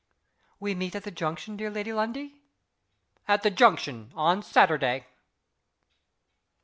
"We meet at the Junction, dear Lady Lundie?" "At the Junction, on Saturday."